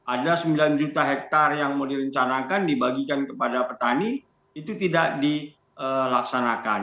ada sembilan juta hektare yang mau direncanakan dibagikan kepada petani itu tidak dilaksanakan